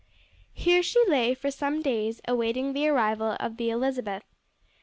Here she lay for some days awaiting the arrival of the Elizabeth.